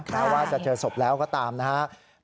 แม้ว่าจะเจอศพแล้วก็ตามนะครับ